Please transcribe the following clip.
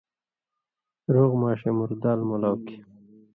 رُوغ ماݜے مُردال مُولاؤ کھیں